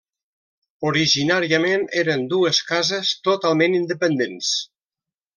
Originàriament eren dues cases totalment independents.